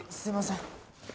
すみません。